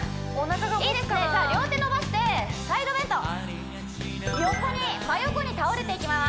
じゃあ両手伸ばしてサイドベント横に真横に倒れていきます